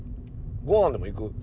ごはんでも行く？